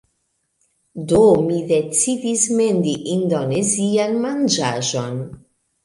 Do, ni decidis mendi indonezian manĝaĵon